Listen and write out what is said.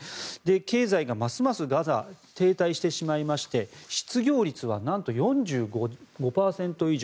経済がますますガザは停滞してしまいまして失業率はなんと４５％以上。